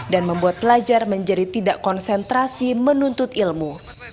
dan membuat pelajar menjadi tidak konsentrasi menuntut ilmu